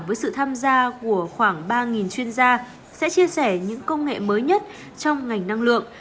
với sự tham gia của khoảng ba chuyên gia sẽ chia sẻ những công nghệ mới nhất trong ngành năng lượng